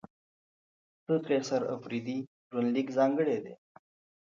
د قیصر اپریدي ژوند لیک ځانګړی دی.